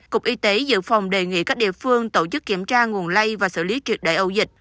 cục y tế dự phòng đề nghị các địa phương tổ chức kiểm tra nguồn lây và xử lý truyệt đại ẩu dịch